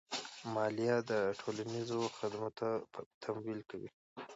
مالیه د ټولنیزو خدماتو تمویل کوي.